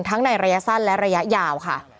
ในระยะสั้นและระยะยาวค่ะ